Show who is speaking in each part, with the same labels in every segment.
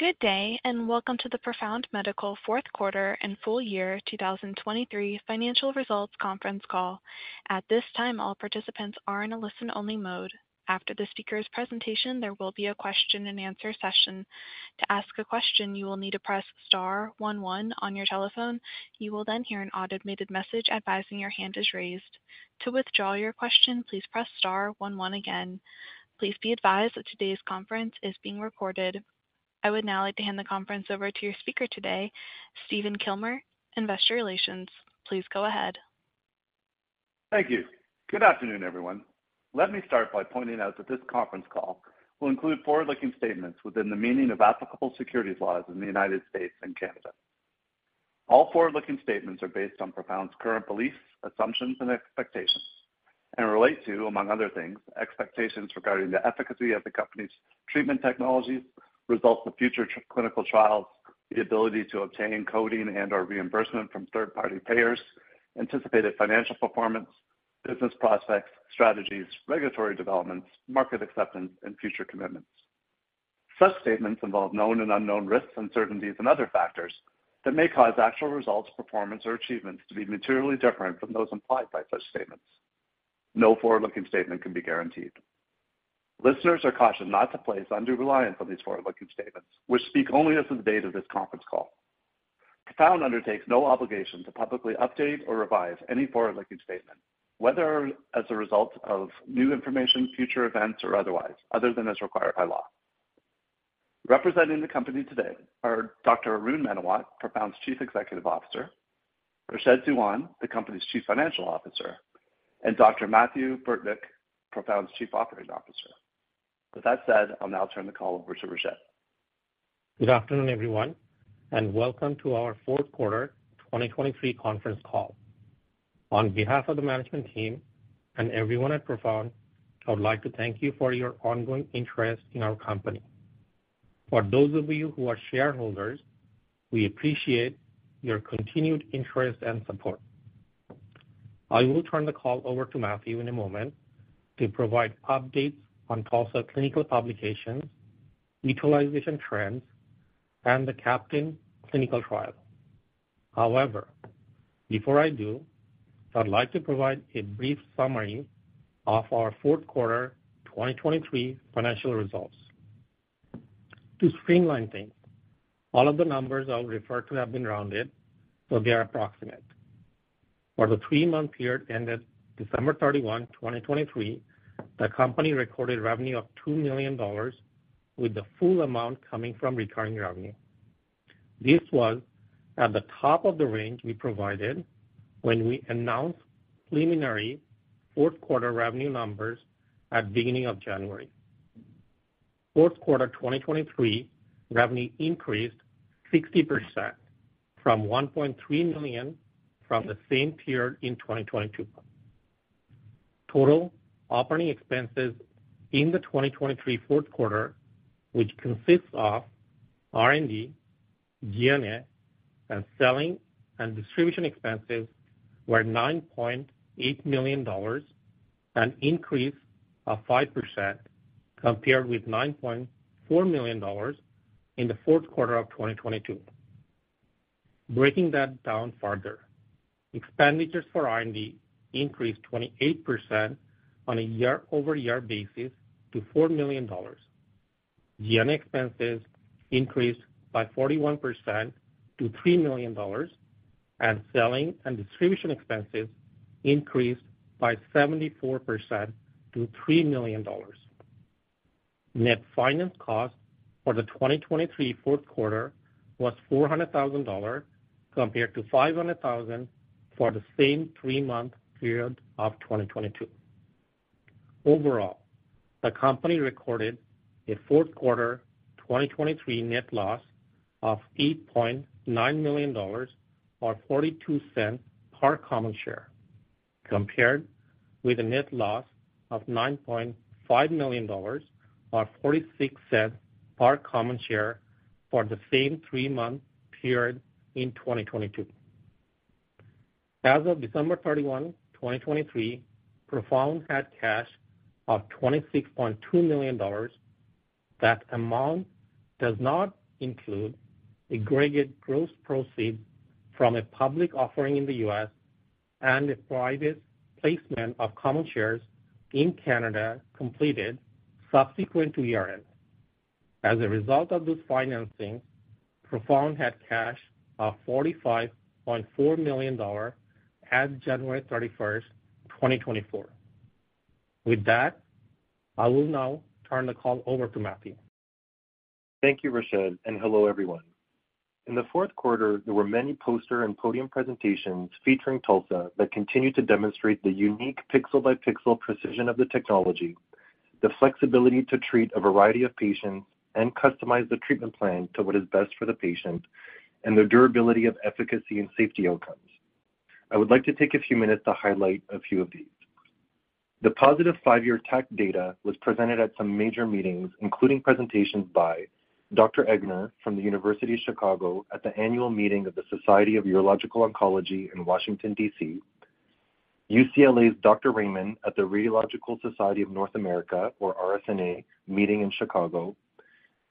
Speaker 1: Good day and welcome to the Profound Medical fourth quarter and full year 2023 financial results conference call. At this time, all participants are in a listen-only mode. After the speaker's presentation, there will be a question-and-answer session. To ask a question, you will need to press * 1 1 on your telephone. You will then hear an automated message advising your hand is raised. To withdraw your question, please press * 1 1 again. Please be advised that today's conference is being recorded. I would now like to hand the conference over to your speaker today, Stephen Kilmer, Investor Relations. Please go ahead.
Speaker 2: Thank you. Good afternoon, everyone. Let me start by pointing out that this conference call will include forward-looking statements within the meaning of applicable securities laws in the United States and Canada. All forward-looking statements are based on Profound's current beliefs, assumptions, and expectations, and relate to, among other things, expectations regarding the efficacy of the company's treatment technologies, results of future clinical trials, the ability to obtain coding and/or reimbursement from third-party payers, anticipated financial performance, business prospects, strategies, regulatory developments, market acceptance, and future commitments. Such statements involve known and unknown risks, uncertainties, and other factors that may cause actual results, performance, or achievements to be materially different from those implied by such statements. No forward-looking statement can be guaranteed. Listeners are cautioned not to place undue reliance on these forward-looking statements, which speak only as of the date of this conference call. Profound undertakes no obligation to publicly update or revise any forward-looking statement, whether as a result of new information, future events, or otherwise, other than as required by law. Representing the company today are Dr. Arun Menawat, Profound's Chief Executive Officer; Rashed Dewan, the company's Chief Financial Officer; and Dr. Mathieu Burtnyk, Profound's Chief Operating Officer. With that said, I'll now turn the call over to Rashed.
Speaker 3: Good afternoon, everyone, and welcome to our fourth quarter 2023 conference call. On behalf of the management team and everyone at Profound, I would like to thank you for your ongoing interest in our company. For those of you who are shareholders, we appreciate your continued interest and support. I will turn the call over to Mathieu in a moment to provide updates on TULSA clinical publications' utilization trends and the CAPTAIN clinical trial. However, before I do, I would like to provide a brief summary of our fourth quarter 2023 financial results. To streamline things, all of the numbers I will refer to have been rounded, so they are approximate. For the three-month period ended December 31, 2023, the company recorded revenue of $2 million, with the full amount coming from recurring revenue. This was at the top of the range we provided when we announced preliminary fourth quarter revenue numbers at the beginning of January. Fourth quarter 2023 revenue increased 60% from $1.3 million from the same period in 2022. Total operating expenses in the 2023 fourth quarter, which consists of R&D, G&A, and selling and distribution expenses, were $9.8 million, an increase of 5% compared with $9.4 million in the fourth quarter of 2022. Breaking that down further, expenditures for R&D increased 28% on a year-over-year basis to $4 million. G&A expenses increased by 41% to $3 million and selling and distribution expenses increased by 74% to $3 million. Net finance cost for the 2023 fourth quarter was $400,000 compared to $500,000 for the same three-month period of 2022. Overall, the company recorded a fourth quarter 2023 net loss of $8.9 million or 42 cents per common share, compared with a net loss of $9.5 million or 46 cents per common share for the same three-month period in 2022. As of December 31, 2023, Profound had cash of $26.2 million. That amount does not include aggregate gross proceeds from a public offering in the U.S. and a private placement of common shares in Canada completed subsequent to year-end. As a result of those financings, Profound had cash of $45.4 million as of January 31, 2024. With that, I will now turn the call over to Mathieu.
Speaker 4: Thank you, Rashed, and hello, everyone. In the fourth quarter, there were many poster and podium presentations featuring TULSA that continued to demonstrate the unique pixel-by-pixel precision of the technology, the flexibility to treat a variety of patients and customize the treatment plan to what is best for the patient, and the durability of efficacy and safety outcomes. I would like to take a few minutes to highlight a few of these. The positive five-year TULSA data was presented at some major meetings, including presentations by Dr. Eggener from the University of Chicago at the annual meeting of the Society of Urologic Oncology in Washington, D.C., UCLA's Dr. Raman at the Radiological Society of North America, or RSNA, meeting in Chicago,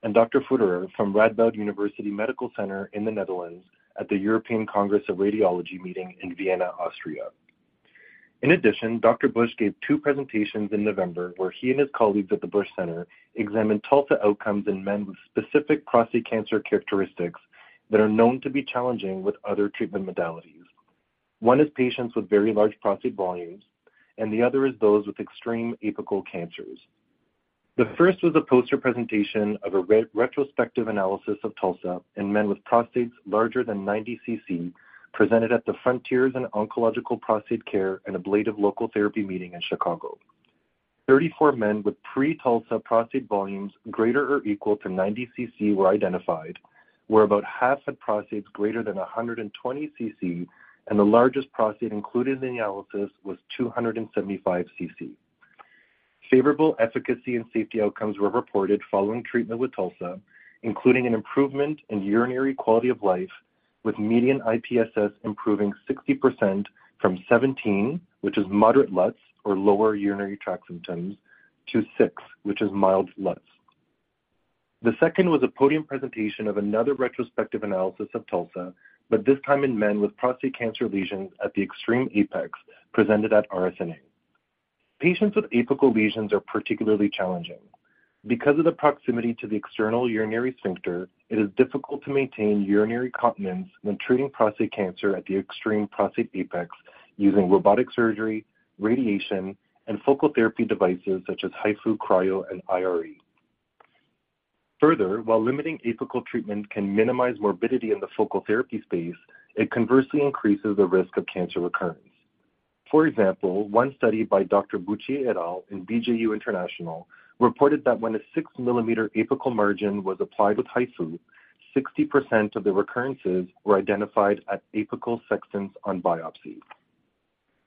Speaker 4: and Dr. Fütterer from Radboud University Medical Center in the Netherlands at the European Congress of Radiology meeting in Vienna, Austria. In addition, Dr. Busch gave two presentations in November where he and his colleagues at the Busch Center examined TULSA outcomes in men with specific prostate cancer characteristics that are known to be challenging with other treatment modalities. One is patients with very large prostate volumes, and the other is those with extreme apical cancers. The first was a poster presentation of a retrospective analysis of TULSA in men with prostates larger than 90 cc presented at the Frontiers in Oncological Prostate Care and Ablative Local Therapy meeting in Chicago. 34 men with pre-TULSA prostate volumes greater than or equal to 90 cc were identified, where about half had prostates greater than 120 cc, and the largest prostate included in the analysis was 275 cc. Favorable efficacy and safety outcomes were reported following treatment with TULSA, including an improvement in urinary quality of life, with median IPSS improving 60% from 17, which is moderate LUTS or lower urinary tract symptoms, to 6, which is mild LUTS. The second was a podium presentation of another retrospective analysis of TULSA, but this time in men with prostate cancer lesions at the extreme apex presented at RSNA. Patients with apical lesions are particularly challenging. Because of the proximity to the external urinary sphincter, it is difficult to maintain urinary continence when treating prostate cancer at the extreme prostate apex using robotic surgery, radiation, and focal therapy devices such as HIFU, cryo, and IRE. Further, while limiting apical treatment can minimize morbidity in the focal therapy space, it conversely increases the risk of cancer recurrence. For example, one study by Dr. Boutier in BJU International reported that when a 6-millimeter apical margin was applied with HIFU, 60% of the recurrences were identified at apical sextants on biopsy.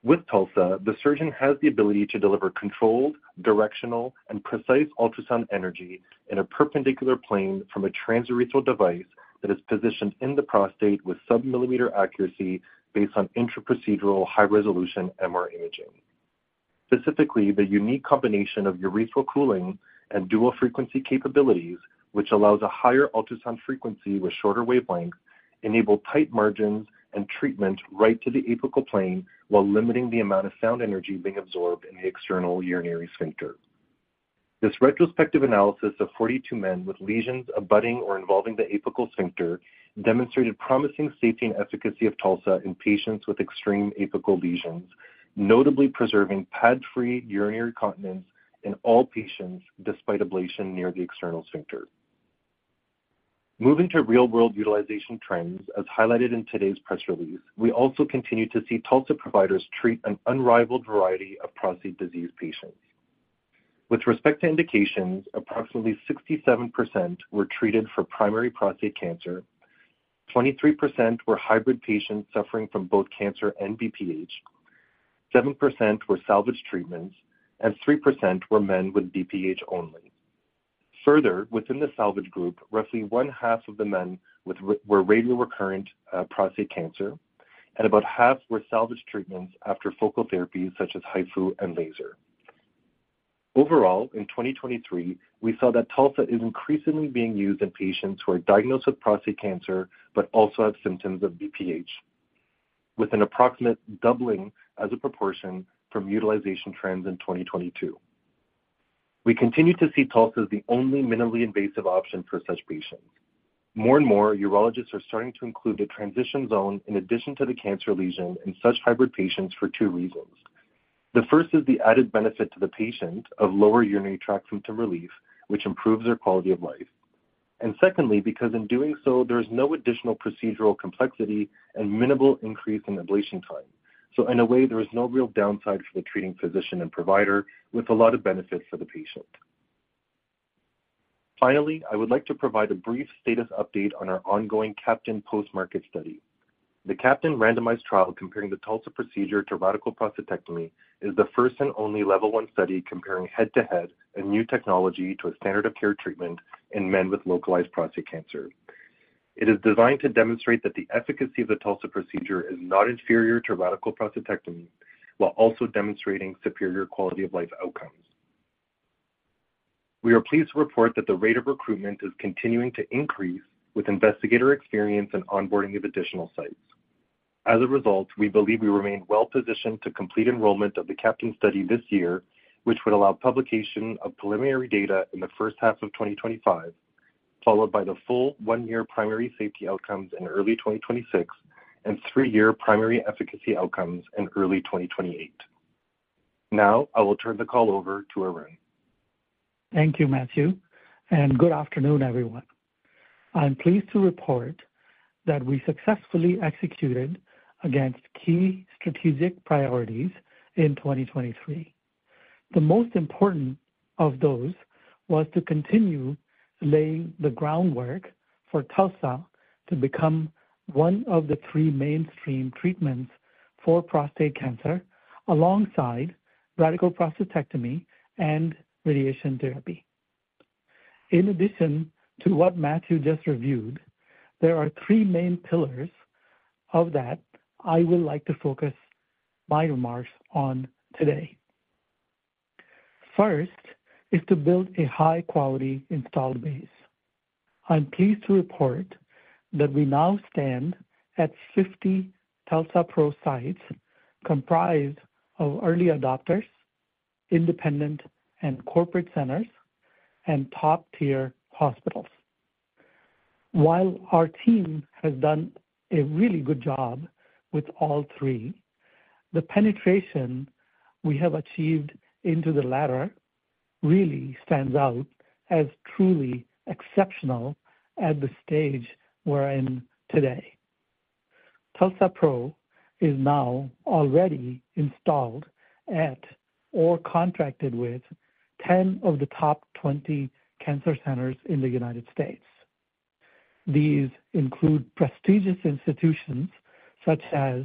Speaker 4: With TULSA, the surgeon has the ability to deliver controlled, directional, and precise ultrasound energy in a perpendicular plane from a transurethral device that is positioned in the prostate with sub-millimeter accuracy based on intra-procedural high-resolution MR imaging. Specifically, the unique combination of urethral cooling and dual-frequency capabilities, which allows a higher ultrasound frequency with shorter wavelengths, enabled tight margins and treatment right to the apical plane while limiting the amount of sound energy being absorbed in the external urinary sphincter. This retrospective analysis of 42 men with lesions abutting or involving the apical sphincter demonstrated promising safety and efficacy of TULSA in patients with extreme apical lesions, notably preserving pad-free urinary continence in all patients despite ablation near the external sphincter. Moving to real-world utilization trends, as highlighted in today's press release, we also continue to see TULSA providers treat an unrivaled variety of prostate disease patients. With respect to indications, approximately 67% were treated for primary prostate cancer, 23% were hybrid patients suffering from both cancer and BPH, 7% were salvage treatments, and 3% were men with BPH only. Further, within the salvage group, roughly one-half of the men were radio recurrent prostate cancer, and about half were salvage treatments after focal therapies such as HIFU and laser. Overall, in 2023, we saw that TULSA is increasingly being used in patients who are diagnosed with prostate cancer but also have symptoms of BPH, with an approximate doubling as a proportion from utilization trends in 2022. We continue to see TULSA as the only minimally invasive option for such patients. More and more, urologists are starting to include the transition zone in addition to the cancer lesion in such hybrid patients for two reasons. The first is the added benefit to the patient of lower urinary tract symptom relief, which improves their quality of life. Secondly, because in doing so, there is no additional procedural complexity and minimal increase in ablation time. In a way, there is no real downside for the treating physician and provider, with a lot of benefits for the patient. Finally, I would like to provide a brief status update on our ongoing CAPTAIN post-market study. The CAPTAIN randomized trial comparing the TULSA procedure to radical prostatectomy is the first and only Level 1 study comparing head-to-head a new technology to a standard-of-care treatment in men with localized prostate cancer. It is designed to demonstrate that the efficacy of the TULSA procedure is not inferior to radical prostatectomy while also demonstrating superior quality of life outcomes. We are pleased to report that the rate of recruitment is continuing to increase with investigator experience and onboarding of additional sites. As a result, we believe we remain well-positioned to complete enrollment of the CAPTAIN study this year, which would allow publication of preliminary data in the first half of 2025, followed by the full one-year primary safety outcomes in early 2026 and three-year primary efficacy outcomes in early 2028. Now, I will turn the call over to Arun.
Speaker 5: Thank you, Mathieu, and good afternoon, everyone. I'm pleased to report that we successfully executed against key strategic priorities in 2023. The most important of those was to continue laying the groundwork for TULSA to become one of the three mainstream treatments for prostate cancer alongside radical prostatectomy and radiation therapy. In addition to what Mathieu just reviewed, there are three main pillars of that I would like to focus my remarks on today. First is to build a high-quality installed base. I'm pleased to report that we now stand at 50 TULSA-PRO sites comprised of early adopters, independent and corporate centers, and top-tier hospitals. While our team has done a really good job with all three, the penetration we have achieved into the latter really stands out as truly exceptional at the stage we're in today. TULSA-PRO is now already installed at or contracted with 10 of the top 20 cancer centers in the United States. These include prestigious institutions such as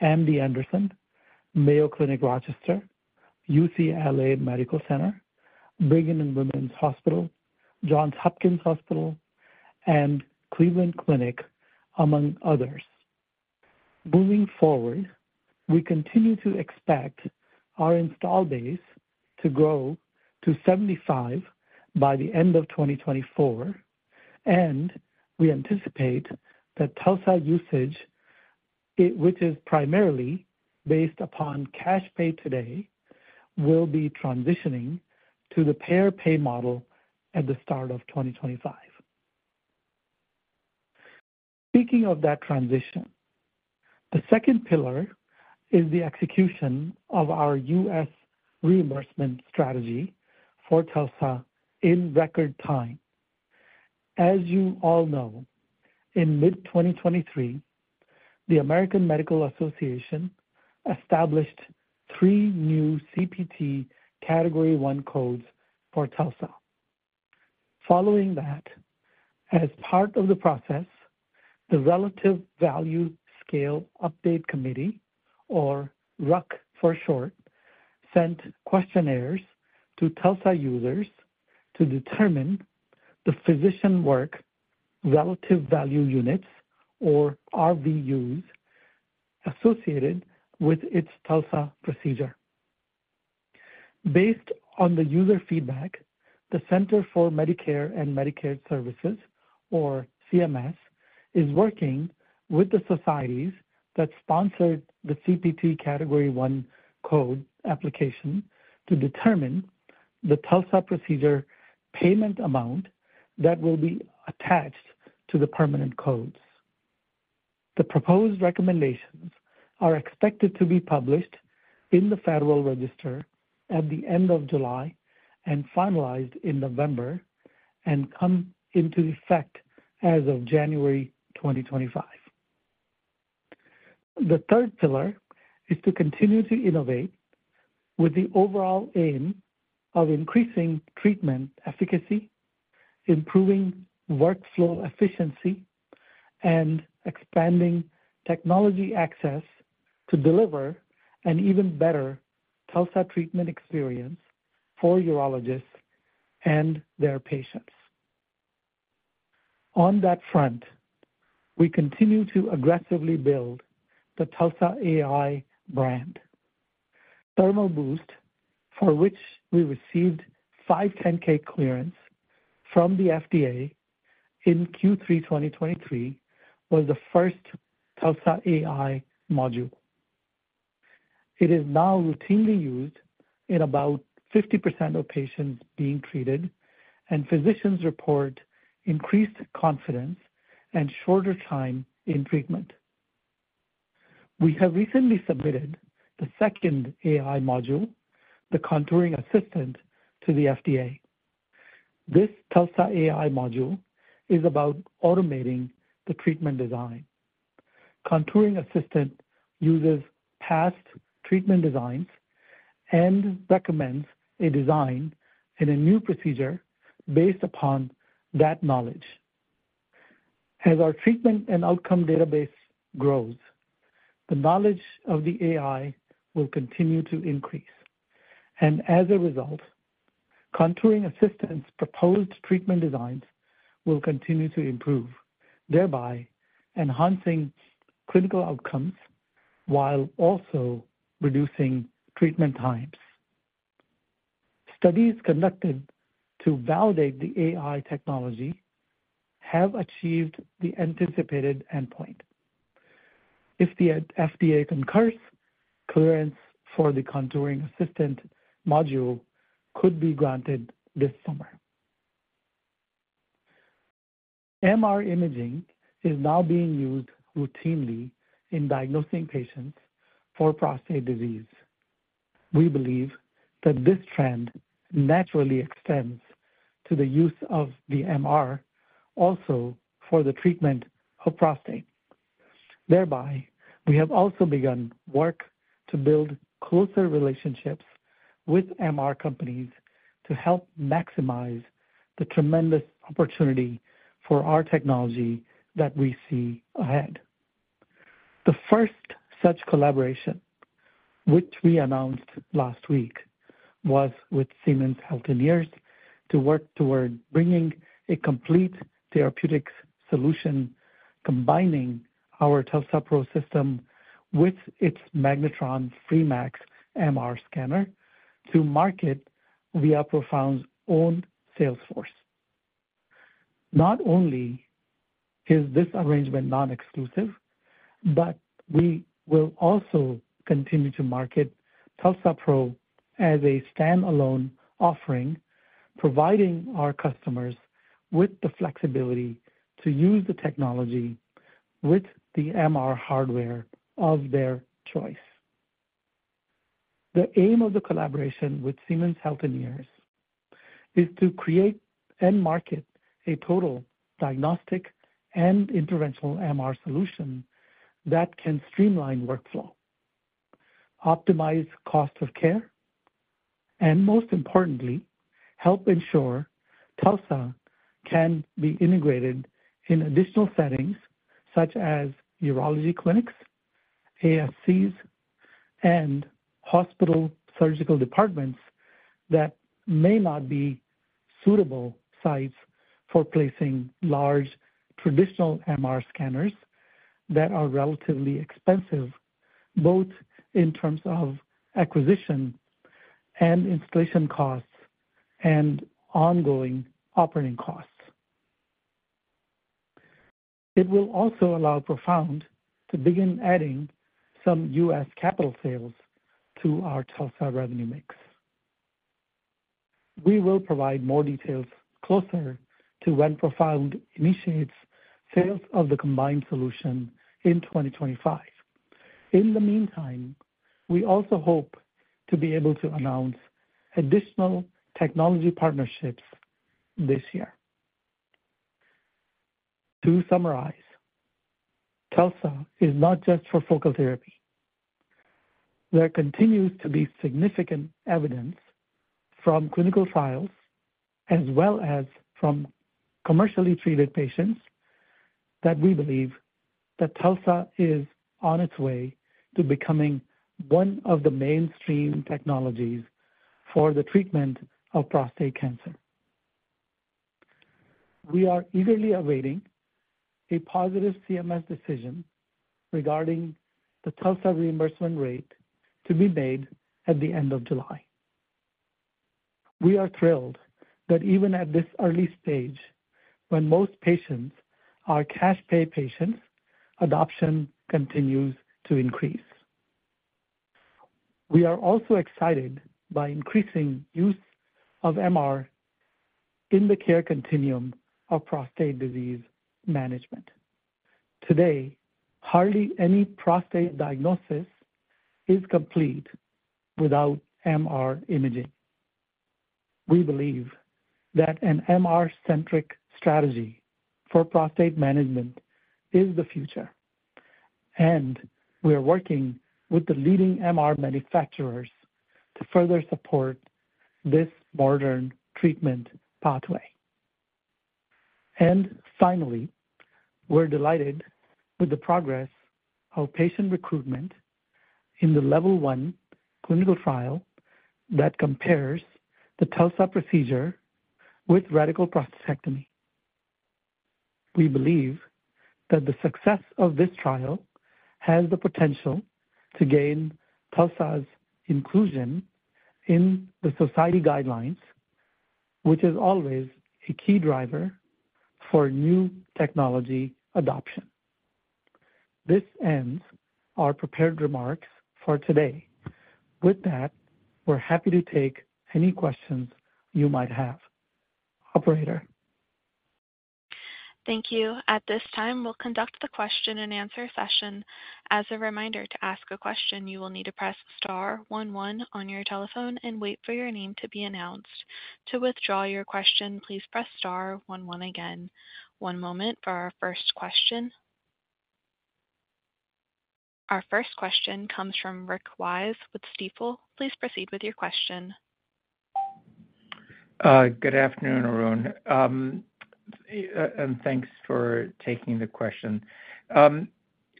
Speaker 5: M.D. Anderson, Mayo Clinic Rochester, UCLA Medical Center, Brigham and Women's Hospital, Johns Hopkins Hospital, and Cleveland Clinic, among others. Moving forward, we continue to expect our installed base to grow to 75 by the end of 2024, and we anticipate that TULSA usage, which is primarily based upon cash pay today, will be transitioning to the payer pay model at the start of 2025. Speaking of that transition, the second pillar is the execution of our U.S. reimbursement strategy for TULSA in record time. As you all know, in mid-2023, the American Medical Association established three new CPT Category I codes for TULSA. Following that, as part of the process, the Relative Value Scale Update Committee, or RUC for short, sent questionnaires to TULSA users to determine the physician work relative value units, or RVUs, associated with its TULSA procedure. Based on the user feedback, the Centers for Medicare and Medicaid Services, or CMS, is working with the societies that sponsored the CPT Category I code application to determine the TULSA procedure payment amount that will be attached to the permanent codes. The proposed recommendations are expected to be published in the Federal Register at the end of July and finalized in November and come into effect as of January 2025. The third pillar is to continue to innovate with the overall aim of increasing treatment efficacy, improving workflow efficiency, and expanding technology access to deliver an even better TULSA treatment experience for urologists and their patients. On that front, we continue to aggressively build the TULSA-AI brand. ThermalBoost, for which we received 510(k) clearance from the FDA in Q3 2023, was the first TULSA-AI module. It is now routinely used in about 50% of patients being treated, and physicians report increased confidence and shorter time in treatment. We have recently submitted the second AI module, the Contouring Assistant, to the FDA. This TULSA-AI module is about automating the treatment design. Contouring Assistant uses past treatment designs and recommends a design in a new procedure based upon that knowledge. As our treatment and outcome database grows, the knowledge of the AI will continue to increase. And as a result, Contouring Assistant's proposed treatment designs will continue to improve, thereby enhancing clinical outcomes while also reducing treatment times. Studies conducted to validate the AI technology have achieved the anticipated endpoint. If the FDA concurs, clearance for the Contouring Assistant module could be granted this summer. MR imaging is now being used routinely in diagnosing patients for prostate disease. We believe that this trend naturally extends to the use of the MR also for the treatment of prostate. Thereby, we have also begun work to build closer relationships with MR companies to help maximize the tremendous opportunity for our technology that we see ahead. The first such collaboration, which we announced last week, was with Siemens Healthineers to work toward bringing a complete therapeutics solution combining our TULSA-PRO system with its MAGNETOM Free.Max MR scanner to market via Profound's own sales force. Not only is this arrangement non-exclusive, but we will also continue to market TULSA-PRO as a standalone offering, providing our customers with the flexibility to use the technology with the MR hardware of their choice. The aim of the collaboration with Siemens Healthineers is to create and market a total diagnostic and interventional MR solution that can streamline workflow, optimize cost of care, and most importantly, help ensure TULSA can be integrated in additional settings such as urology clinics, ASCs, and hospital surgical departments that may not be suitable sites for placing large traditional MR scanners that are relatively expensive, both in terms of acquisition and installation costs and ongoing operating costs. It will also allow Profound to begin adding some U.S. capital sales to our TULSA revenue mix. We will provide more details closer to when Profound initiates sales of the combined solution in 2025. In the meantime, we also hope to be able to announce additional technology partnerships this year. To summarize, TULSA is not just for focal therapy. There continues to be significant evidence from clinical trials as well as from commercially treated patients that we believe that TULSA is on its way to becoming one of the mainstream technologies for the treatment of prostate cancer. We are eagerly awaiting a positive CMS decision regarding the TULSA reimbursement rate to be made at the end of July. We are thrilled that even at this early stage, when most patients are cash pay patients, adoption continues to increase. We are also excited by increasing use of MR in the care continuum of prostate disease management. Today, hardly any prostate diagnosis is complete without MR imaging. We believe that an MR-centric strategy for prostate management is the future, and we are working with the leading MR manufacturers to further support this modern treatment pathway. And finally, we're delighted with the progress of patient recruitment in the Level 1 clinical trial that compares the TULSA procedure with radical prostatectomy. We believe that the success of this trial has the potential to gain TULSA's inclusion in the society guidelines, which is always a key driver for new technology adoption. This ends our prepared remarks for today. With that, we're happy to take any questions you might have. Operator.
Speaker 1: Thank you. At this time, we'll conduct the question-and-answer session. As a reminder, to ask a question, you will need to press star 11 on your telephone and wait for your name to be announced. To withdraw your question, please press star 11 again. One moment for our first question. Our first question comes from Rick Wise with Stifel. Please proceed with your question.
Speaker 6: Good afternoon, Arun. Thanks for taking the question.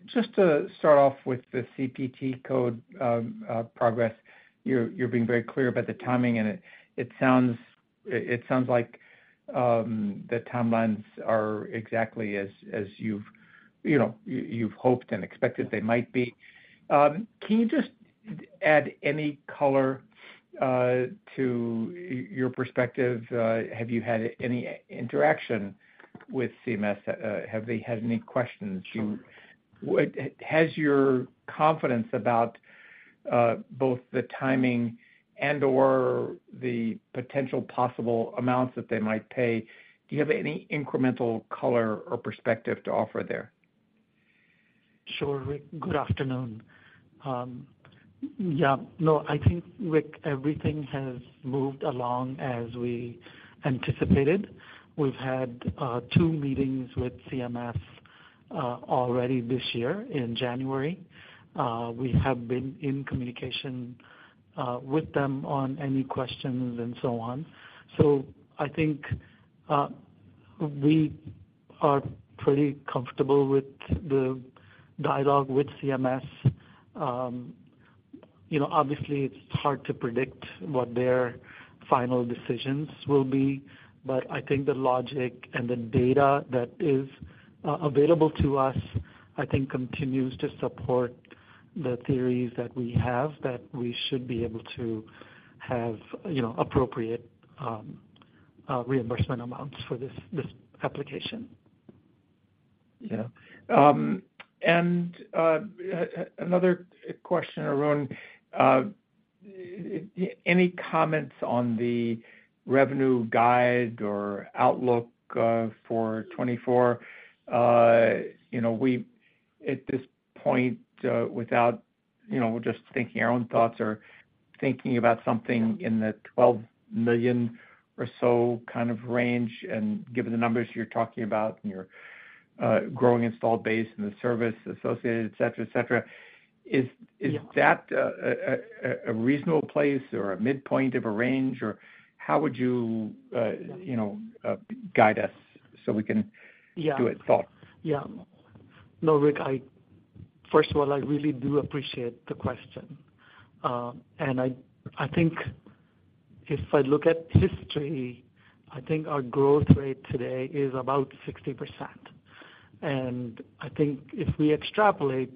Speaker 6: Just to start off with the CPT code progress, you're being very clear about the timing, and it sounds like the timelines are exactly as you've hoped and expected they might be. Can you just add any color to your perspective? Have you had any interaction with CMS? Have they had any questions? Has your confidence about both the timing and/or the potential possible amounts that they might pay, do you have any incremental color or perspective to offer there?
Speaker 5: Sure, Rick. Good afternoon. Yeah. No, I think, Rick, everything has moved along as we anticipated. We've had two meetings with CMS already this year in January. We have been in communication with them on any questions and so on. So, I think we are pretty comfortable with the dialogue with CMS. Obviously, it's hard to predict what their final decisions will be, but I think the logic and the data that is available to us, I think, continues to support the theories that we have that we should be able to have appropriate reimbursement amounts for this application.
Speaker 6: Yeah. Another question, Arun. Any comments on the revenue guide or outlook for 2024? At this point, without just thinking our own thoughts or thinking about something in the $12 million or so kind of range, and given the numbers you're talking about and your growing installed base and the service associated, etc., etc., is that a reasonable place or a midpoint of a range, or how would you guide us so we can do it thought?
Speaker 5: Yeah. Yeah. No, Rick, first of all, I really do appreciate the question. I think if I look at history, I think our growth rate today is about 60%. I think if we extrapolate,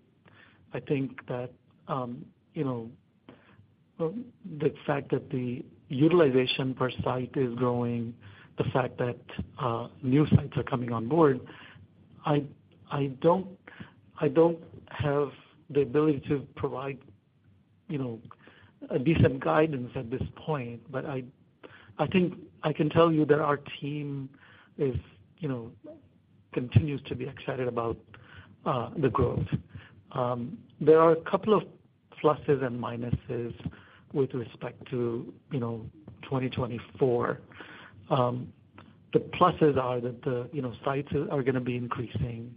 Speaker 5: I think that the fact that the utilization per site is growing, the fact that new sites are coming on board, I don't have the ability to provide a decent guidance at this point, but I think I can tell you that our team continues to be excited about the growth. There are a couple of pluses and minuses with respect to 2024. The pluses are that the sites are going to be increasing.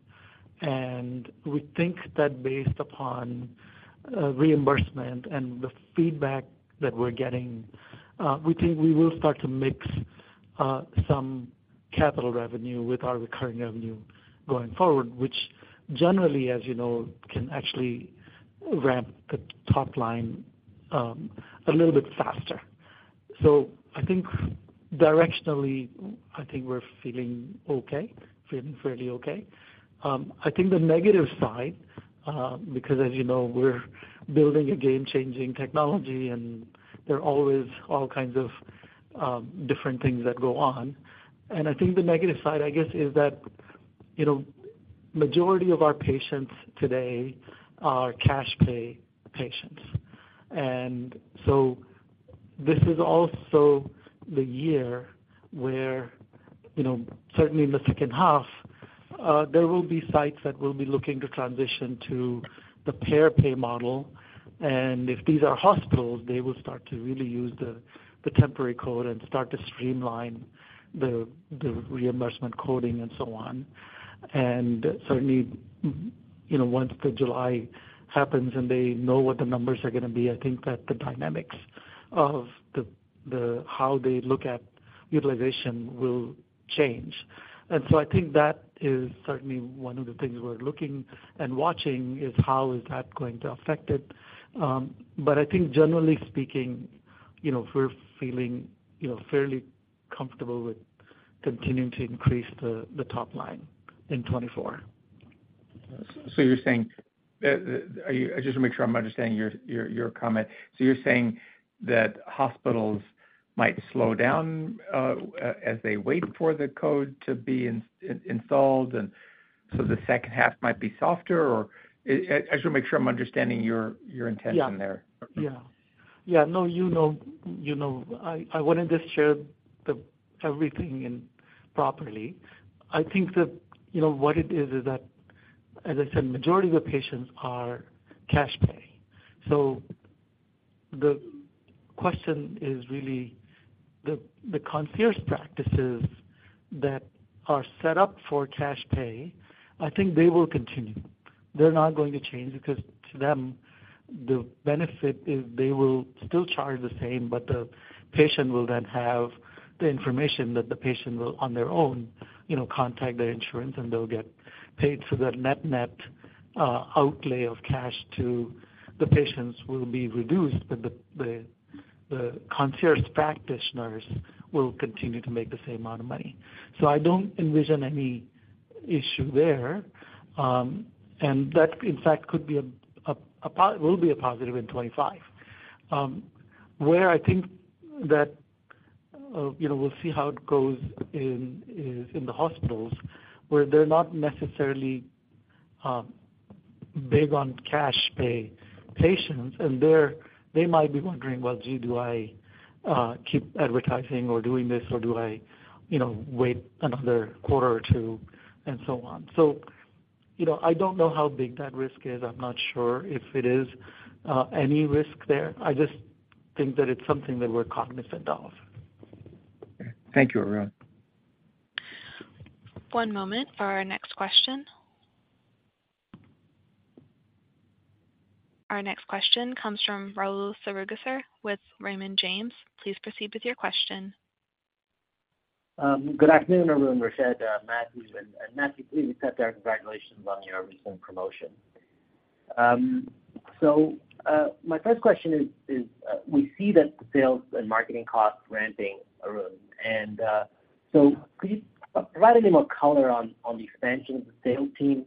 Speaker 5: We think that based upon reimbursement and the feedback that we're getting, we think we will start to mix some capital revenue with our recurring revenue going forward, which generally, as you know, can actually ramp the top line a little bit faster. Directionally, I think we're feeling okay, feeling fairly okay. I think the negative side, because as you know, we're building a game-changing technology, and there are always all kinds of different things that go on. And I think the negative side, I guess, is that the majority of our patients today are cash pay patients. And so, this is also the year where, certainly in the second half, there will be sites that will be looking to transition to the payer pay model. If these are hospitals, they will start to really use the temporary code and start to streamline the reimbursement coding and so on. Certainly, once the July happens and they know what the numbers are going to be, I think that the dynamics of how they look at utilization will change. So, I think that is certainly one of the things we're looking and watching is how is that going to affect it. But I think, generally speaking, we're feeling fairly comfortable with continuing to increase the top line in 2024.
Speaker 6: So, you're saying I just want to make sure I'm understanding your comment? So, you're saying that hospitals might slow down as they wait for the code to be installed, and so the second half might be softer, or? I just want to make sure I'm understanding your intention there.
Speaker 5: Yeah. Yeah. Yeah. No, you know. I wouldn't have shared everything properly. I think that what it is, is that, as I said, the majority of the patients are cash pay. So, the question is really the concierge practices that are set up for cash pay, I think they will continue. They're not going to change because, to them, the benefit is they will still charge the same, but the patient will then have the information that the patient will, on their own, contact their insurance, and they'll get paid. So, the net-net outlay of cash to the patients will be reduced, but the concierge practitioners will continue to make the same amount of money. So, I don't envision any issue there. And that, in fact, could be a will be a positive in 2025. Where I think that we'll see how it goes is in the hospitals, where they're not necessarily big on cash pay patients, and they might be wondering, "Well, gee, do I keep advertising or doing this, or do I wait another quarter or two?" and so on. So, I don't know how big that risk is. I'm not sure if it is any risk there. I just think that it's something that we're cognizant of.
Speaker 6: Thank you, Arun.
Speaker 1: One moment. Our next question. Our next question comes from Rahul Sarugaser with Raymond James. Please proceed with your question.
Speaker 7: Good afternoon, Arun, Rashed, Mathieu. Mathieu, please accept our congratulations on your recent promotion. My first question is, we see that the sales and marketing costs ramping, Arun. Could you provide any more color on the expansion of the sales team,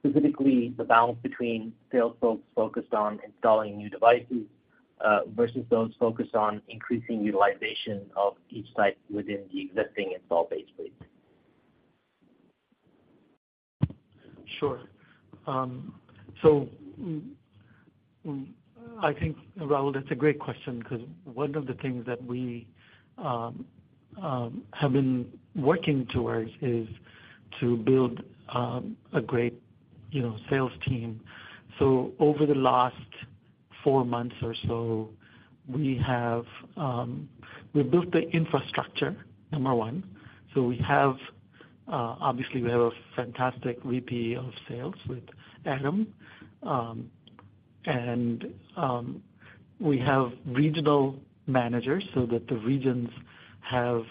Speaker 7: specifically the balance between sales folks focused on installing new devices versus those focused on increasing utilization of each site within the existing installed base rate?
Speaker 5: Sure. So, I think, Rahul, that's a great question because one of the things that we have been working towards is to build a great sales team. So over the last 4 months or so, we've built the infrastructure, number one. So obviously, we have a fantastic Vice President of Sales with Adam. And we have regional managers so that the regions have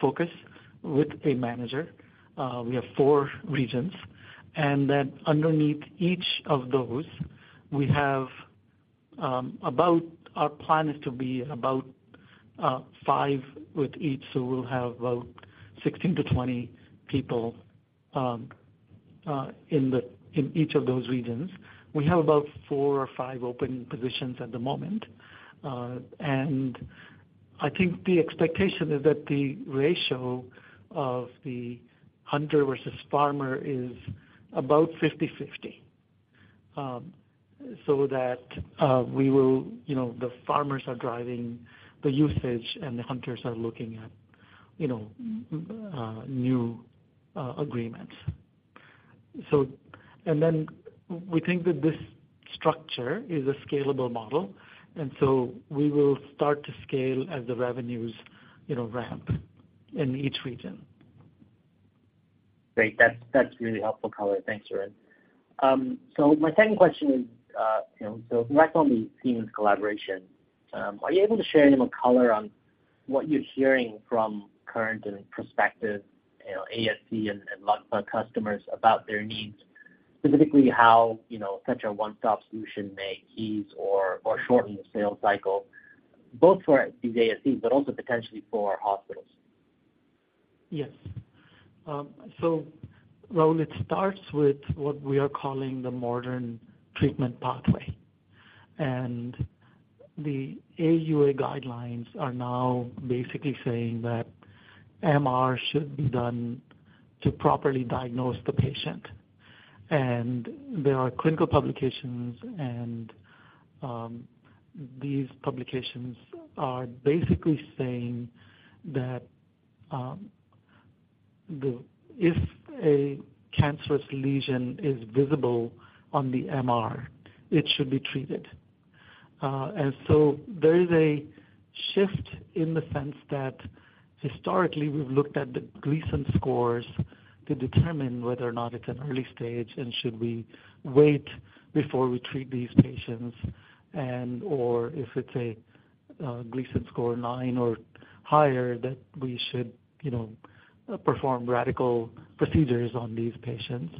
Speaker 5: focus with a manager. We have 4 regions. And then underneath each of those, we have about our plan is to be about 5 with each, so we'll have about 16-20 people in each of those regions. We have about 4 or 5 open positions at the moment. And I think the expectation is that the ratio of the hunter versus farmer is about 50/50 so that we will the farmers are driving the usage, and the hunters are looking at new agreements. We think that this structure is a scalable model, and so we will start to scale as the revenues ramp in each region.
Speaker 7: Great. That's really helpful color. Thanks, Arun. My second question is, so back on the Siemens collaboration, are you able to share any more color on what you're hearing from current and prospective ASC and LUGPA customers about their needs, specifically how such a one-stop solution may ease or shorten the sales cycle, both for these ASCs but also potentially for hospitals?
Speaker 5: Yes. So, Rahul, it starts with what we are calling the modern treatment pathway. The AUA guidelines are now basically saying that MR should be done to properly diagnose the patient. There are clinical publications, and these publications are basically saying that if a cancerous lesion is visible on the MR, it should be treated. So, there is a shift in the sense that, historically, we've looked at the Gleason scores to determine whether or not it's an early stage and should we wait before we treat these patients, and/or if it's a Gleason score 9 or higher, that we should perform radical procedures on these patients.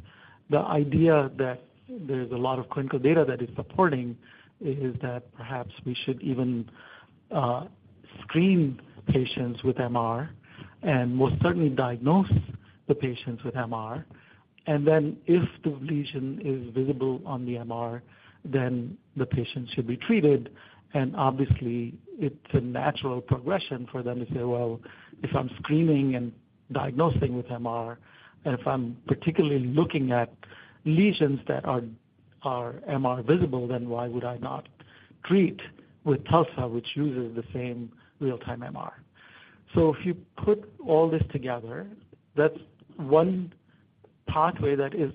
Speaker 5: The idea that there's a lot of clinical data that is supporting is that perhaps we should even screen patients with MR and most certainly diagnose the patients with MR. And then if the lesion is visible on the MR, then the patient should be treated. And obviously, it's a natural progression for them to say, "Well, if I'm screening and diagnosing with MR, and if I'm particularly looking at lesions that are MR visible, then why would I not treat with TULSA, which uses the same real-time MR?" So, if you put all this together, that's one pathway that is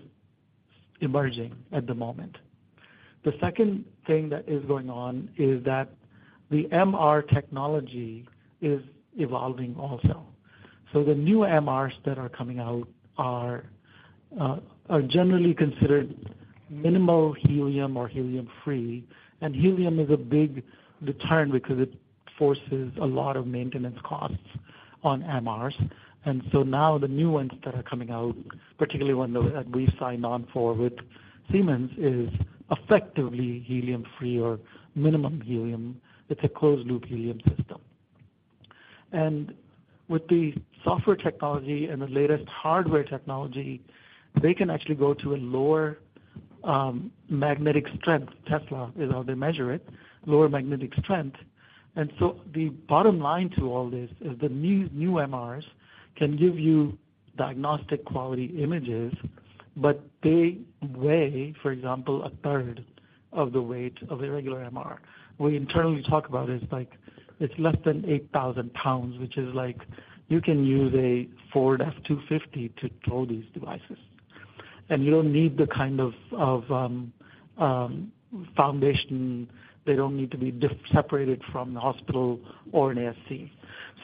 Speaker 5: emerging at the moment. The second thing that is going on is that the MR technology is evolving also. So, the new MRs that are coming out are generally considered minimal helium or helium-free. And helium is a big deterrent because it forces a lot of maintenance costs on MRs. And so now the new ones that are coming out, particularly one that we signed on for with Siemens, is effectively helium-free or minimum helium. It's a closed-loop helium system. With the software technology and the latest hardware technology, they can actually go to a lower magnetic strength. Tesla is how they measure it, lower magnetic strength. The bottom line to all this is the new MRs can give you diagnostic-quality images, but they weigh, for example, a third of the weight of a regular MR. We internally talk about it's like it's less than 8,000 pounds, which is like you can use a Ford F-250 to tow these devices. You don't need the kind of foundation. They don't need to be separated from the hospital or an ASC.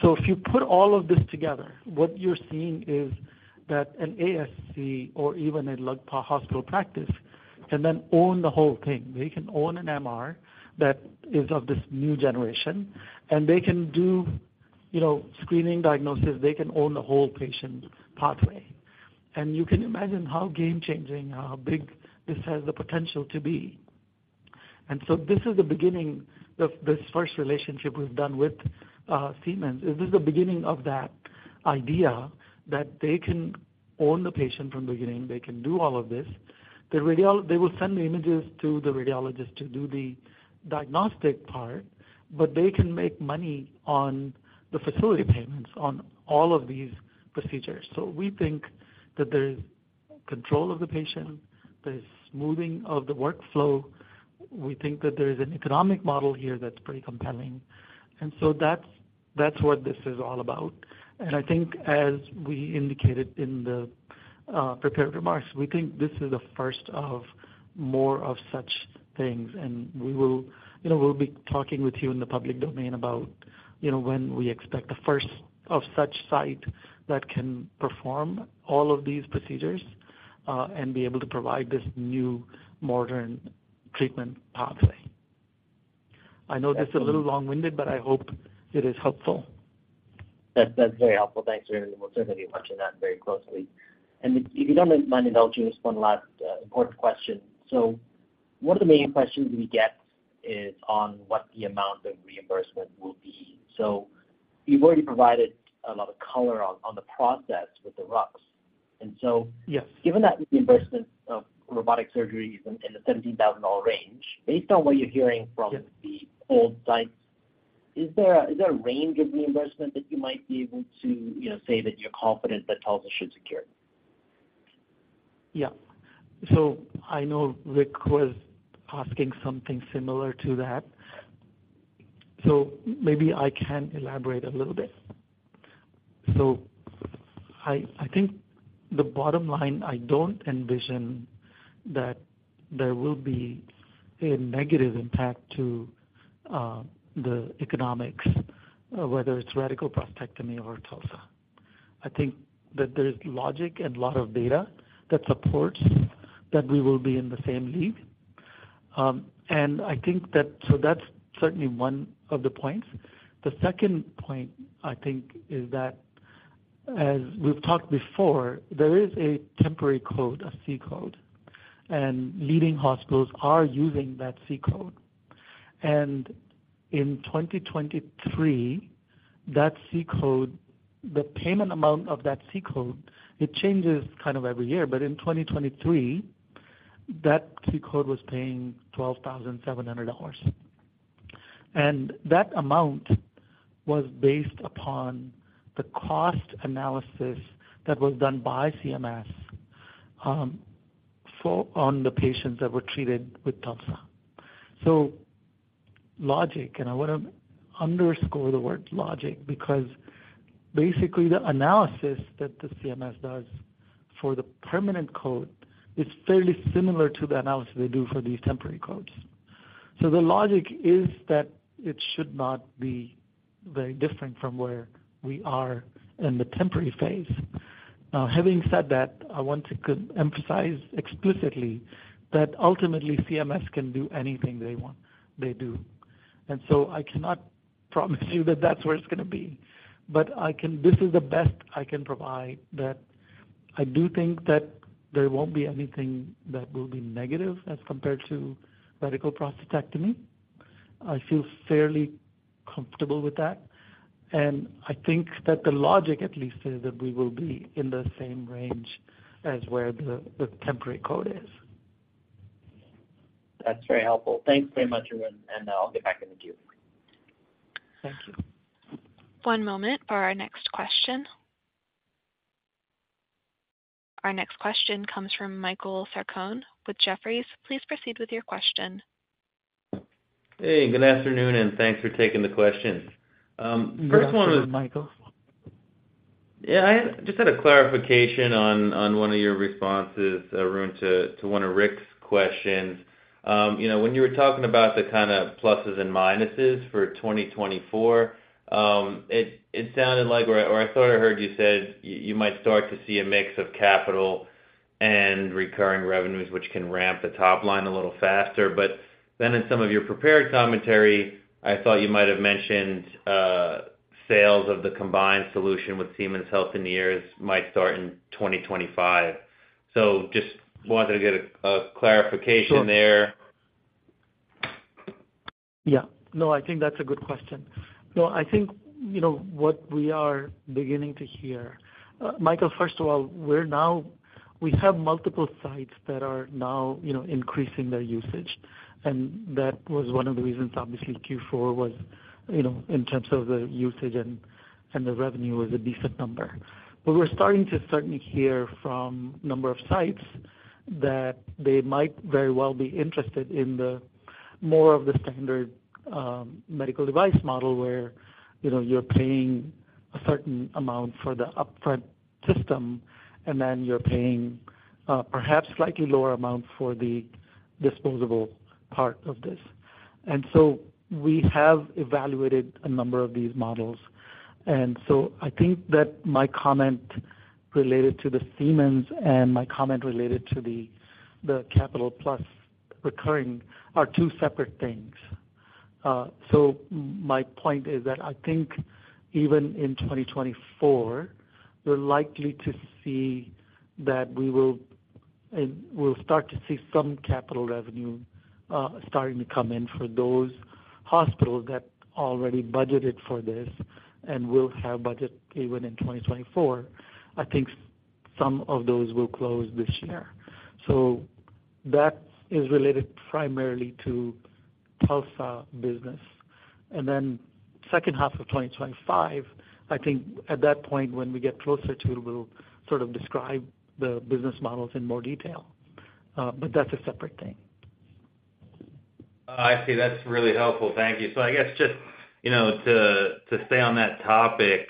Speaker 5: If you put all of this together, what you're seeing is that an ASC or even a hospital practice can then own the whole thing. They can own an MR that is of this new generation, and they can do screening, diagnosis. They can own the whole patient pathway. And you can imagine how game-changing, how big this has the potential to be. And so, this is the beginning. This first relationship we've done with Siemens is this the beginning of that idea that they can own the patient from the beginning. They can do all of this. They will send the images to the radiologist to do the diagnostic part, but they can make money on the facility payments on all of these procedures. So, we think that there is control of the patient. There's smoothing of the workflow. We think that there is an economic model here that's pretty compelling. And so that's what this is all about. I think, as we indicated in the prepared remarks, we think this is the first of more of such things. We'll be talking with you in the public domain about when we expect the first of such site that can perform all of these procedures and be able to provide this new modern treatment pathway. I know this is a little long-winded, but I hope it is helpful.
Speaker 7: That's very helpful. Thanks, Arun. We'll certainly be watching that very closely. If you don't mind indulging us with one last important question. One of the main questions we get is on what the amount of reimbursement will be. You've already provided a lot of color on the process with the RUCs. Given that reimbursement of robotic surgery is in the $17,000 range, based on what you're hearing from the old sites, is there a range of reimbursement that you might be able to say that you're confident that TULSA should secure?
Speaker 5: Yeah. So, I know Rick was asking something similar to that. So, maybe I can elaborate a little bit. So, I think the bottom line, I don't envision that there will be a negative impact to the economics, whether it's radical prostatectomy or TULSA. I think that there's logic and a lot of data that supports that we will be in the same league. And I think that so that's certainly one of the points. The second point, I think, is that, as we've talked before, there is a temporary code, a C code, and leading hospitals are using that C code. And in 2023, that C code the payment amount of that C code, it changes kind of every year. But in 2023, that C code was paying $12,700. That amount was based upon the cost analysis that was done by CMS on the patients that were treated with TULSA. So, logic and I want to underscore the word logic because, basically, the analysis that the CMS does for the permanent code is fairly similar to the analysis they do for these temporary codes. So, the logic is that it should not be very different from where we are in the temporary phase. Now, having said that, I want to emphasize explicitly that, ultimately, CMS can do anything they want. They do. And so, I cannot promise you that that's where it's going to be. But this is the best I can provide that I do think that there won't be anything that will be negative as compared to radical prostatectomy. I feel fairly comfortable with that. I think that the logic, at least, is that we will be in the same range as where the temporary code is.
Speaker 7: That's very helpful. Thanks very much, Arun. I'll get back into gear.
Speaker 5: Thank you.
Speaker 1: One moment for our next question. Our next question comes from Michael Sarcone with Jefferies. Please proceed with your question.
Speaker 8: Hey. Good afternoon, and thanks for taking the question. First one was.
Speaker 5: Go ahead, Michael.
Speaker 8: Yeah. I just had a clarification on one of your responses, Arun, to one of Rick's questions. When you were talking about the kind of pluses and minuses for 2024, it sounded like or I thought I heard you said you might start to see a mix of capital and recurring revenues, which can ramp the top line a little faster. But then in some of your prepared commentary, I thought you might have mentioned sales of the combined solution with Siemens Healthineers might start in 2025. So, just wanted to get a clarification there.
Speaker 5: Yeah. No, I think that's a good question. No, I think what we are beginning to hear, Michael, first of all, we have multiple sites that are now increasing their usage. And that was one of the reasons, obviously, Q4 was in terms of the usage, and the revenue was a decent number. But we're starting to certainly hear from a number of sites that they might very well be interested in more of the standard medical device model where you're paying a certain amount for the upfront system, and then you're paying perhaps a slightly lower amount for the disposable part of this. And so we have evaluated a number of these models. And so I think that my comment related to the Siemens and my comment related to the capital plus recurring are two separate things. So my point is that I think even in 2024, we're likely to see that we will start to see some capital revenue starting to come in for those hospitals that already budgeted for this and will have budget even in 2024. I think some of those will close this year. So that is related primarily to TULSA business. And then second half of 2025, I think at that point, when we get closer to it, we'll sort of describe the business models in more detail. But that's a separate thing.
Speaker 8: I see. That's really helpful. Thank you. So I guess just to stay on that topic,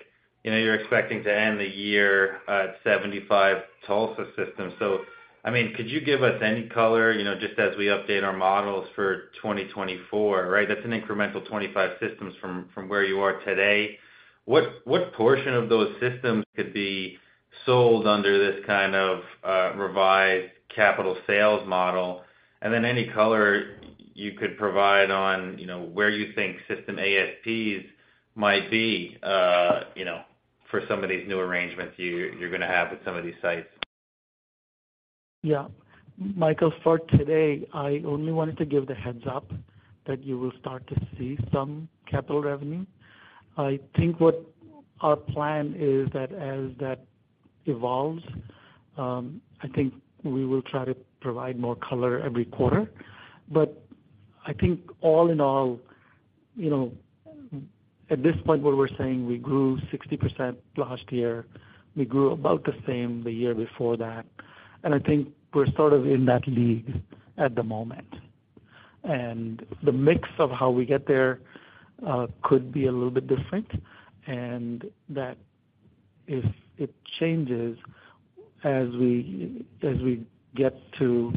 Speaker 8: you're expecting to end the year at 75 TULSA systems. So, I mean, could you give us any color just as we update our models for 2024, right? That's an incremental 25 systems from where you are today. What portion of those systems could be sold under this kind of revised capital sales model? And then any color you could provide on where you think system ASPs might be for some of these new arrangements you're going to have with some of these sites.
Speaker 5: Yeah. Michael, for today, I only wanted to give the heads up that you will start to see some capital revenue. I think what our plan is that as that evolves, I think we will try to provide more color every quarter. But I think, all in all, at this point, what we're saying, we grew 60% last year. We grew about the same the year before that. And I think we're sort of in that league at the moment. And the mix of how we get there could be a little bit different. And if it changes as we get to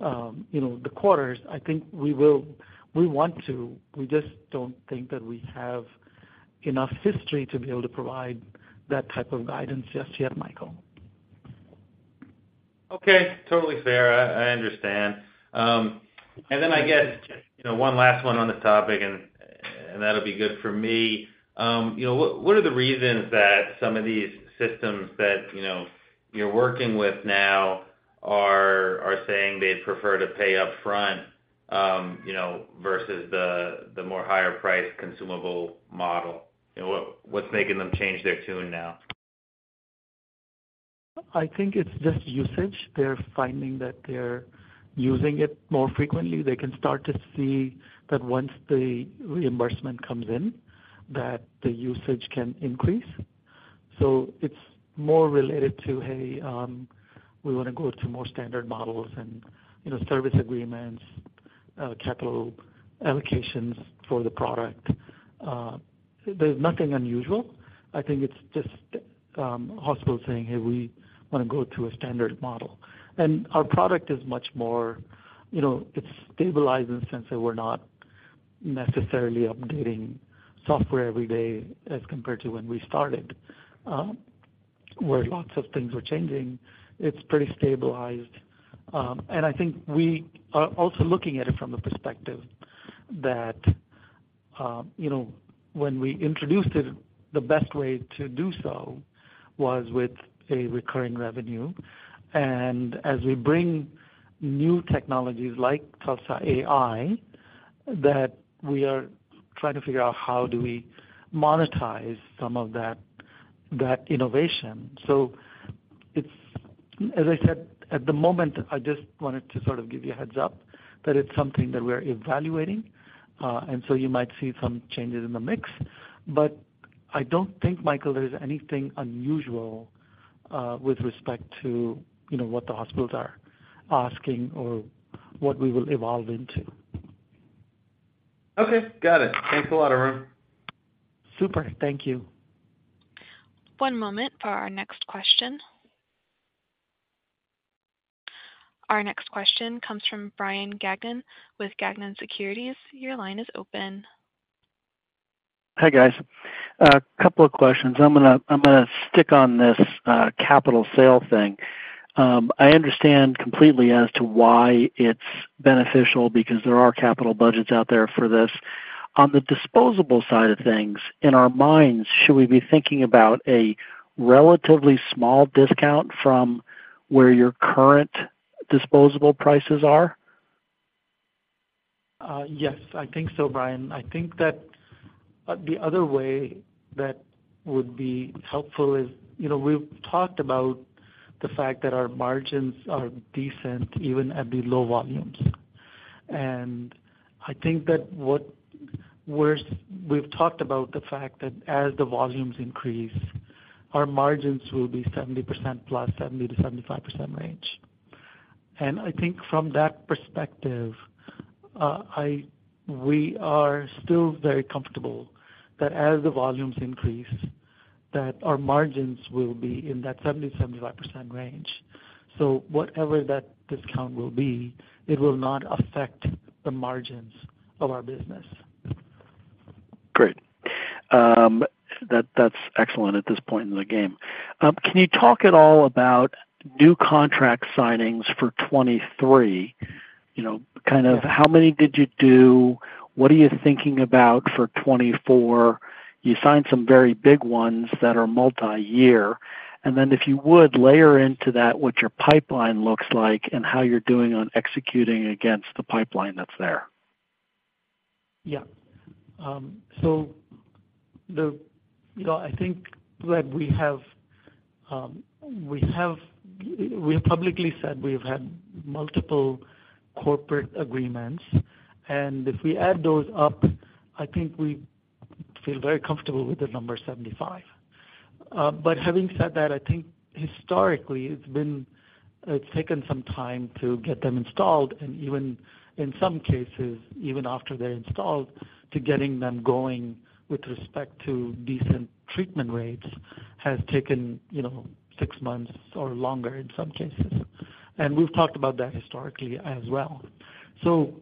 Speaker 5: the quarters, I think we will. We want to. We just don't think that we have enough history to be able to provide that type of guidance just yet, Michael.
Speaker 8: Okay. Totally fair. I understand. And then I guess just one last one on this topic, and that'll be good for me. What are the reasons that some of these systems that you're working with now are saying they'd prefer to pay upfront versus the more higher-priced consumable model? What's making them change their tune now?
Speaker 5: I think it's just usage. They're finding that they're using it more frequently. They can start to see that once the reimbursement comes in, that the usage can increase. So it's more related to, "Hey, we want to go to more standard models and service agreements, capital allocations for the product." There's nothing unusual. I think it's just hospitals saying, "Hey, we want to go to a standard model." And our product is much more it's stabilized in the sense that we're not necessarily updating software every day as compared to when we started, where lots of things were changing. It's pretty stabilized. And I think we are also looking at it from the perspective that when we introduced it, the best way to do so was with a recurring revenue. As we bring new technologies like TULSA-AI that we are trying to figure out how do we monetize some of that innovation. As I said, at the moment, I just wanted to sort of give you a heads up that it's something that we're evaluating. You might see some changes in the mix. I don't think, Michael, there's anything unusual with respect to what the hospitals are asking or what we will evolve into.
Speaker 8: Okay. Got it. Thanks a lot, Arun.
Speaker 5: Super. Thank you.
Speaker 1: One moment for our next question. Our next question comes from Brian Gagnon with Gagnon Securities. Your line is open.
Speaker 9: Hey, guys. A couple of questions. I'm going to stick on this capital sale thing. I understand completely as to why it's beneficial because there are capital budgets out there for this. On the disposable side of things, in our minds, should we be thinking about a relatively small discount from where your current disposable prices are?
Speaker 5: Yes, I think so, Brian. I think that the other way that would be helpful is we've talked about the fact that our margins are decent even at the low volumes. And I think that we've talked about the fact that as the volumes increase, our margins will be 70% plus, 70%-75% range. And I think from that perspective, we are still very comfortable that as the volumes increase, that our margins will be in that 70%-75% range. So whatever that discount will be, it will not affect the margins of our business.
Speaker 9: Great. That's excellent at this point in the game. Can you talk at all about new contract signings for 2023? Kind of how many did you do? What are you thinking about for 2024? You signed some very big ones that are multi-year. And then if you would, layer into that what your pipeline looks like and how you're doing on executing against the pipeline that's there.
Speaker 5: Yeah. So I think that we have publicly said we've had multiple corporate agreements. And if we add those up, I think we feel very comfortable with the number 75. But having said that, I think historically, it's taken some time to get them installed. And in some cases, even after they're installed, to getting them going with respect to decent treatment rates has taken 6 months or longer in some cases. And we've talked about that historically as well. So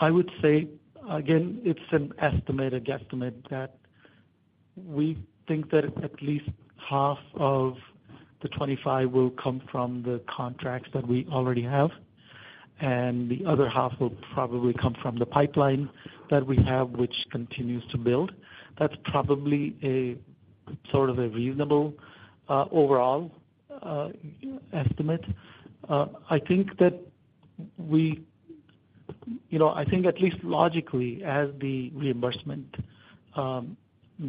Speaker 5: I would say, again, it's an estimate, a guesstimate, that we think that at least half of the 25 will come from the contracts that we already have. And the other half will probably come from the pipeline that we have, which continues to build. That's probably sort of a reasonable overall estimate. I think at least logically, as the reimbursement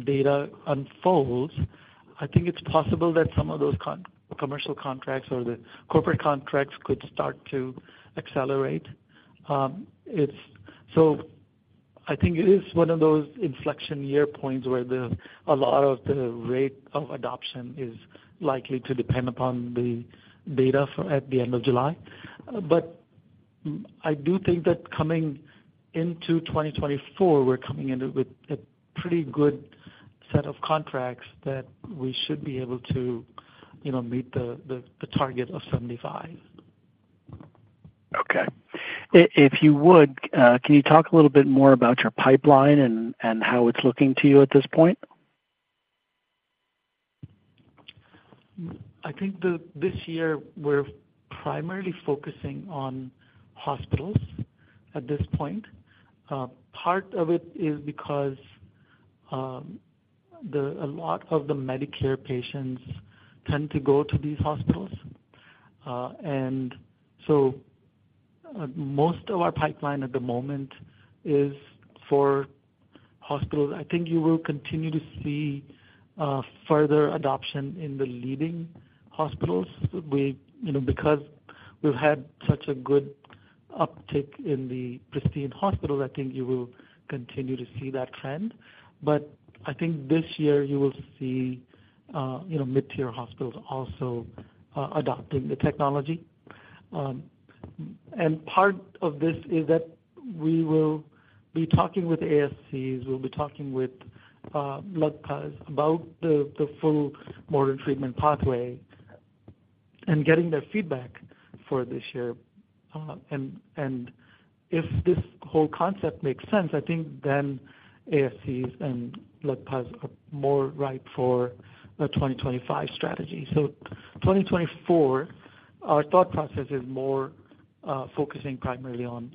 Speaker 5: data unfolds, I think it's possible that some of those commercial contracts or the corporate contracts could start to accelerate. So I think it is one of those inflection year points where a lot of the rate of adoption is likely to depend upon the data at the end of July. But I do think that coming into 2024, we're coming in with a pretty good set of contracts that we should be able to meet the target of 75.
Speaker 9: Okay. If you would, can you talk a little bit more about your pipeline and how it's looking to you at this point?
Speaker 5: I think this year, we're primarily focusing on hospitals at this point. Part of it is because a lot of the Medicare patients tend to go to these hospitals. So most of our pipeline at the moment is for hospitals. I think you will continue to see further adoption in the leading hospitals. Because we've had such a good uptick in the prestige hospitals, I think you will continue to see that trend. But I think this year, you will see mid-tier hospitals also adopting the technology. Part of this is that we will be talking with ASCs. We'll be talking with LUGPA about the full modern treatment pathway and getting their feedback for this year. If this whole concept makes sense, I think then ASCs and LUGPA are more ripe for a 2025 strategy. 2024, our thought process is more focusing primarily on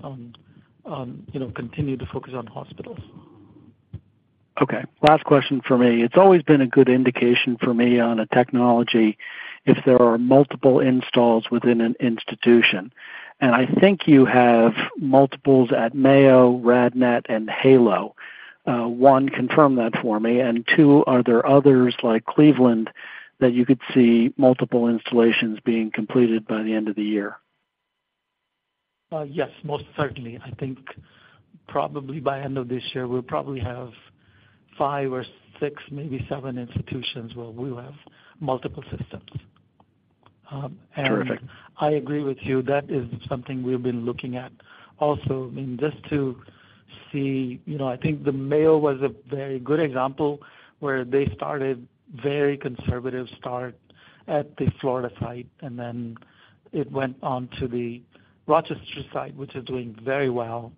Speaker 5: continuing to focus on hospitals.
Speaker 9: Okay. Last question for me. It's always been a good indication for me on a technology if there are multiple installs within an institution. And I think you have multiples at Mayo, RadNet, and Halo. One, confirm that for me. And two, are there others like Cleveland that you could see multiple installations being completed by the end of the year?
Speaker 5: Yes, most certainly. I think probably by the end of this year, we'll probably have 5 or 6, maybe 7 institutions where we'll have multiple systems. I agree with you. That is something we've been looking at also. I mean, just to see I think the Mayo was a very good example where they started very conservative start at the Florida site. And then it went on to the Rochester site, which is doing very well.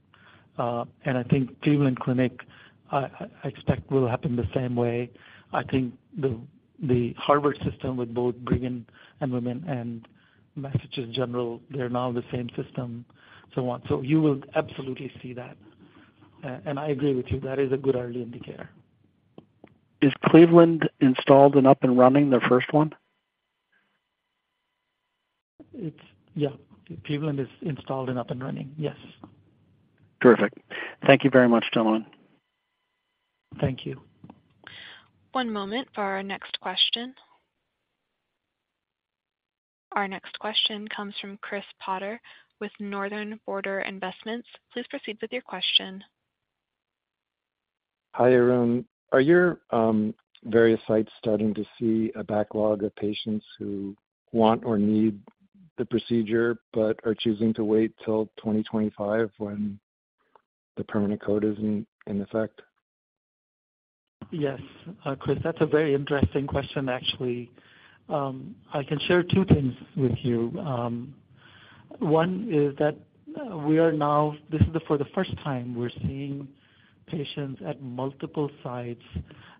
Speaker 5: And I think Cleveland Clinic, I expect, will happen the same way. I think the Harvard system with both Brigham and Women's and Massachusetts General, they're now the same system, so on. So you will absolutely see that. I agree with you. That is a good early indicator.
Speaker 9: Is Cleveland installed and up and running, their first one?
Speaker 5: Yeah. Cleveland is installed and up and running. Yes.
Speaker 9: Terrific. Thank you very much, gentlemen.
Speaker 5: Thank you.
Speaker 1: One moment for our next question. Our next question comes from Chris Potter with Northern Border Investments. Please proceed with your question.
Speaker 10: Hi, Arun. Are your various sites starting to see a backlog of patients who want or need the procedure but are choosing to wait till 2025 when the permanent code is in effect?
Speaker 5: Yes, Chris. That's a very interesting question, actually. I can share two things with you. One is that we are now this is for the first time we're seeing patients at multiple sites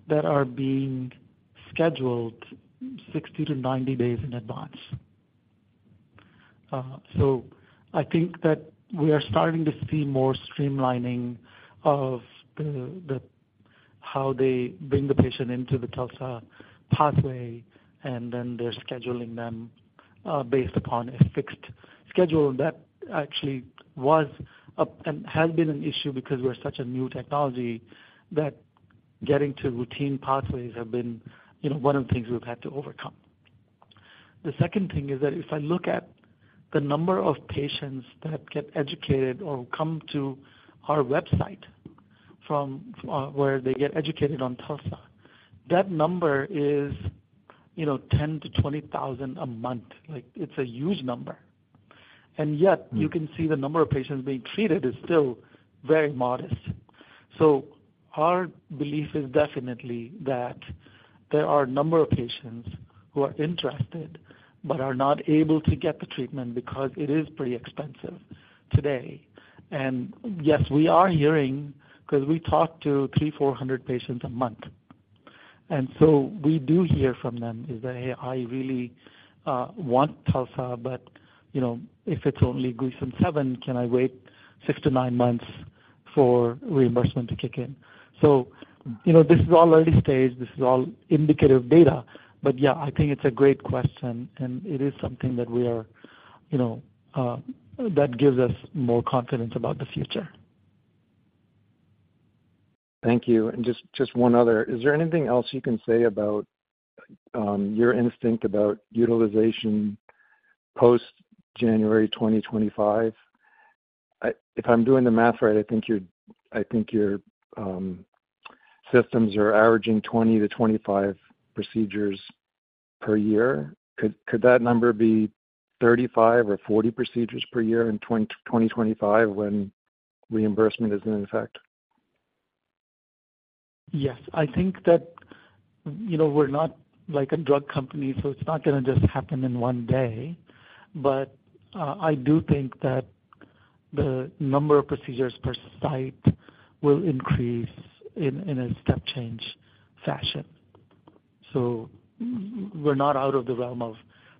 Speaker 5: that are being scheduled 60-90 days in advance. So, I think that we are starting to see more streamlining of how they bring the patient into the TULSA pathway, and then they're scheduling them based upon a fixed schedule. And that actually was and has been an issue because we're such a new technology that getting to routine pathways has been one of the things we've had to overcome. The second thing is that if I look at the number of patients that get educated or come to our website where they get educated on TULSA, that number is 10,000-20,000 a month. It's a huge number. Yet you can see the number of patients being treated is still very modest. Our belief is definitely that there are a number of patients who are interested but are not able to get the treatment because it is pretty expensive today. Yes, we are hearing because we talk to 300-400 patients a month. So, we do hear from them is that "Hey, I really want TULSA, but if it's only Gleason 7, can I wait 6-9 months for reimbursement to kick in?" This is all early stage. This is all indicative data. Yeah, I think it's a great question. It is something that we are that gives us more confidence about the future.
Speaker 10: Thank you. And just one other. Is there anything else you can say about your instinct about utilization post-January 2025? If I'm doing the math right, I think your systems are averaging 20-25 procedures per year. Could that number be 35 or 40 procedures per year in 2025 when reimbursement is in effect?
Speaker 5: Yes. I think that we're not like a drug company, so it's not going to just happen in one day. But I do think that the number of procedures per site will increase in a step-change fashion. So, we're not out of the realm of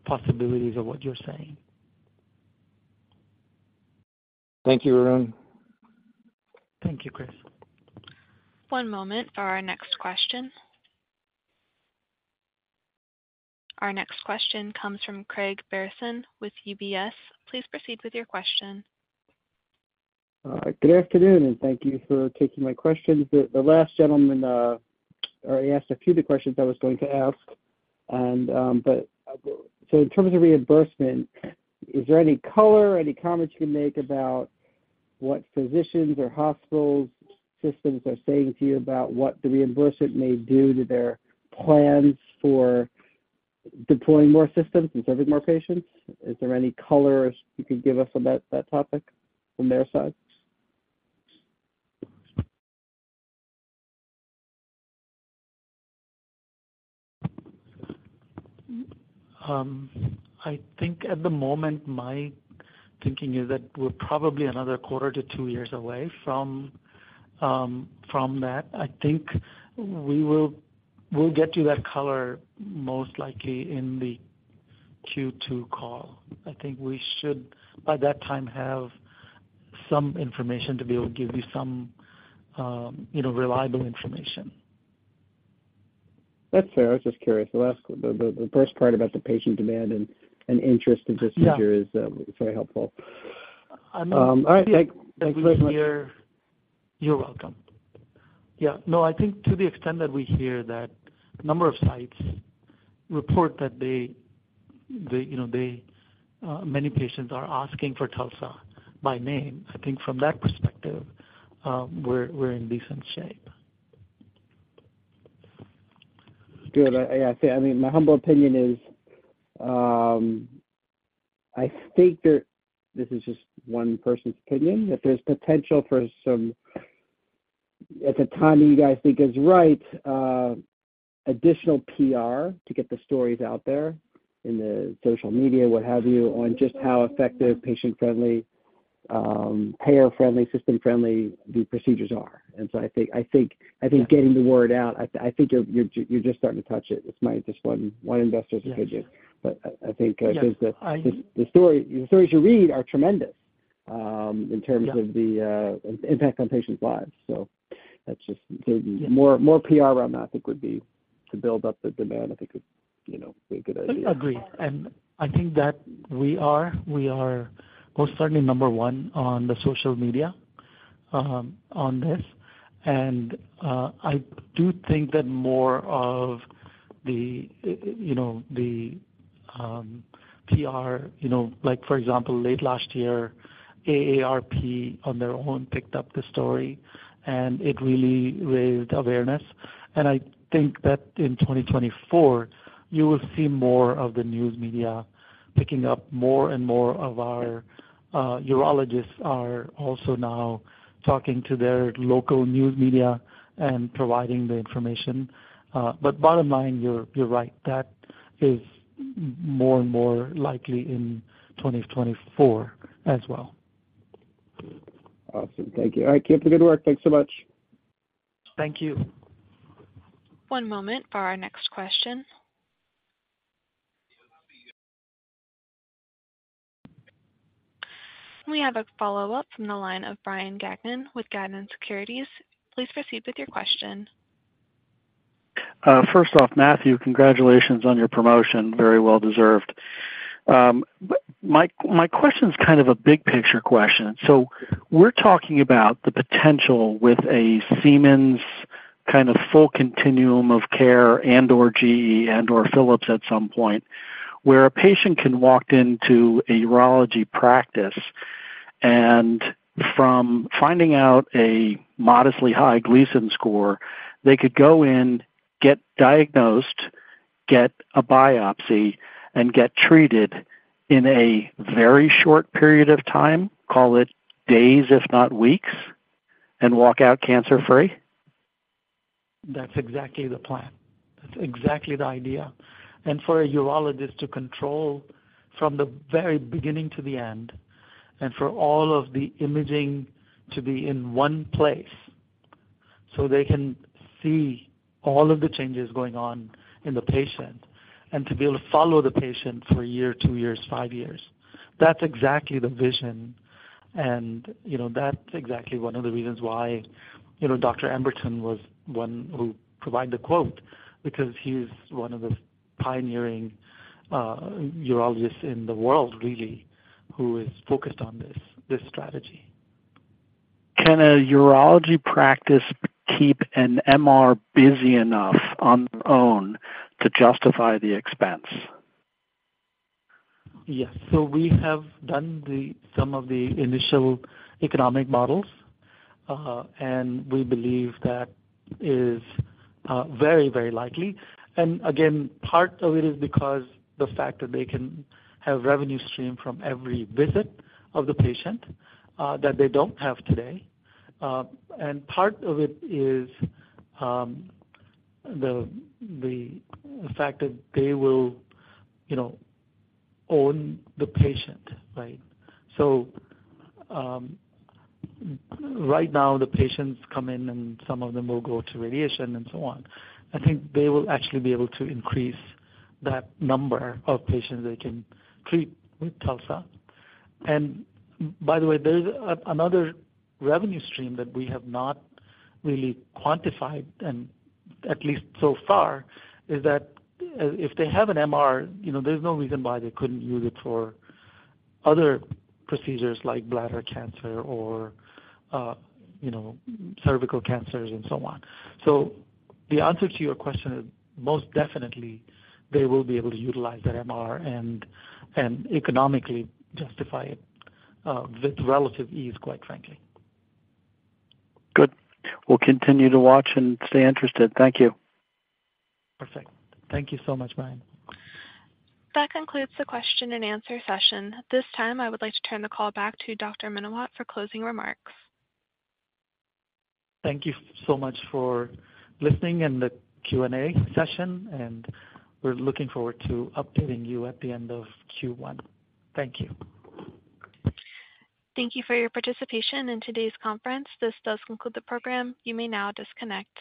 Speaker 5: possibilities of what you're saying.
Speaker 10: Thank you, Arun.
Speaker 5: Thank you, Chris.
Speaker 1: One moment for our next question. Our next question comes from Craig Bijou with Bank of America Securities. Please proceed with your question.
Speaker 11: Good afternoon and thank you for taking my questions. The last gentleman already asked a few of the questions I was going to ask. But so, in terms of reimbursement, is there any color, any comments you can make about what physicians or hospital systems are saying to you about what the reimbursement may do to their plans for deploying more systems and serving more patients? Is there any color you could give us on that topic from their side?
Speaker 5: I think at the moment, my thinking is that we're probably another quarter to two years away from that. I think we'll get to that color most likely in the Q2 call. I think we should, by that time, have some information to be able to give you some reliable information.
Speaker 10: That's fair. I was just curious. The first part about the patient demand and interest in procedure is very helpful. All right. Thanks very much.
Speaker 5: Yeah. You're welcome. Yeah. No, I think to the extent that we hear that a number of sites report that many patients are asking for TULSA by name, I think from that perspective, we're in decent shape.
Speaker 11: Good. Yeah. I mean, my humble opinion is I think this is just one person's opinion, that there's potential for some at the time you guys think is right, additional PR to get the stories out there in the social media, what have you, on just how effective, patient-friendly, payer-friendly, system-friendly the procedures are. So, I think getting the word out I think you're just starting to touch it. It's just one investor's opinion. I think the stories you read are tremendous in terms of the impact on patients' lives. So, more PR around that, I think, would be to build up the demand. I think it would be a good idea.
Speaker 5: Agree. And I think that we are most certainly number one on the social media on this. And I do think that more of the PR, for example, late last year, AARP on their own picked up the story, and it really raised awareness. And I think that in 2024, you will see more of the news media picking up. More and more of our urologists are also now talking to their local news media and providing the information. But bottom line, you're right. That is more and more likely in 2024 as well.
Speaker 11: Awesome. Thank you. All right. Keep the good work. Thanks so much.
Speaker 5: Thank you.
Speaker 1: One moment for our next question. We have a follow-up from the line of Brian Gagnon with Gagnon Securities. Please proceed with your question.
Speaker 9: First off, Mathieu, congratulations on your promotion. Very well-deserved. My question's kind of a big-picture question. We're talking about the potential with a Siemens kind of full continuum of care and/or GE and/or Philips at some point where a patient can walk into a urology practice, and from finding out a modestly high Gleason score, they could go in, get diagnosed, get a biopsy, and get treated in a very short period of time, call it days, if not weeks, and walk out cancer-free?
Speaker 5: That's exactly the plan. That's exactly the idea. And for a urologist to control from the very beginning to the end and for all of the imaging to be in one place so they can see all of the changes going on in the patient and to be able to follow the patient for a year, two years, five years, that's exactly the vision. That's exactly one of the reasons why Dr. Emberton was one who provided the quote because he's one of the pioneering urologists in the world, really, who is focused on this strategy.
Speaker 9: Can a urology practice keep an MR busy enough on their own to justify the expense?
Speaker 5: Yes. So, we have done some of the initial economic models, and we believe that is very, very likely. And again, part of it is because the fact that they can have revenue stream from every visit of the patient that they don't have today. And part of it is the fact that they will own the patient, right? So, right now, the patients come in, and some of them will go to radiation and so on. I think they will actually be able to increase that number of patients they can treat with TULSA. And by the way, there's another revenue stream that we have not really quantified, at least so far, is that if they have an MR, there's no reason why they couldn't use it for other procedures like bladder cancer or cervical cancers and so on. The answer to your question is most definitely, they will be able to utilize that MR and economically justify it with relative ease, quite frankly.
Speaker 9: Good. We'll continue to watch and stay interested. Thank you.
Speaker 5: Perfect. Thank you so much, Brian.
Speaker 1: That concludes the question-and-answer session. This time, I would like to turn the call back to Dr. Menawat for closing remarks.
Speaker 5: Thank you so much for listening and the Q&A session. We're looking forward to updating you at the end of Q1. Thank you.
Speaker 1: Thank you for your participation in today's conference. This does conclude the program. You may now disconnect.